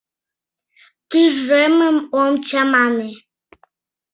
Тӱжемым ом чамане!